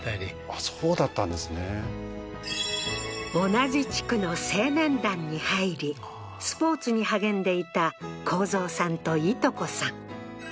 同じ地区の青年団に入りスポーツに励んでいた幸三さんとイト子さん